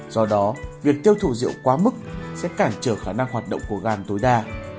do đó việc tiêu thụ rượu quá mức sẽ cản trở khả năng hoạt động của gan tối đa